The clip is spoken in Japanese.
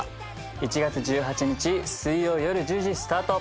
１月１８日水曜夜１０時スタート。